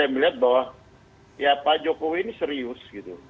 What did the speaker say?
saya melihat bahwa pak jokowi ini serius